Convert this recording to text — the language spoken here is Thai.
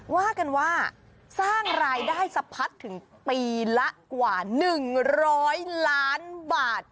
ว่ากันว่าสร้างรายได้สะพัดถึงปีละกว่า๑๐๐ล้านบาท